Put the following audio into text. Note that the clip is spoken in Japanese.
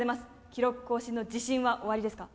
記録更新の自信はおありですか？